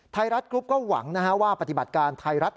ไทยรัฐกรุ๊ปก็หวังว่าปฏิบัติการไทยรัฐ